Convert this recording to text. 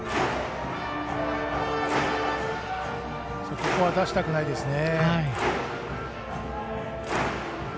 ここは出したくないですね。